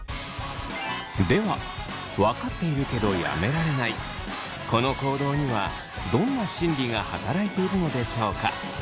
ではわかっているけどやめられないこの行動にはどんな心理が働いているのでしょうか。